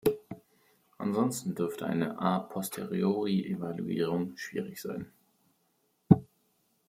Ansonsten dürfte eine a posteriori-Evaluierung schwierig sein.